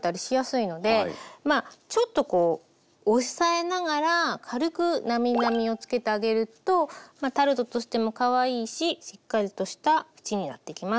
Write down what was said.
ちょっとこう押さえながら軽くなみなみをつけてあげるとまあタルトとしてもかわいいししっかりとした縁になっていきます。